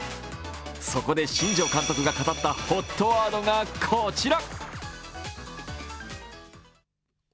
そこで新庄監督が語ったＨＯＴワードがこちら。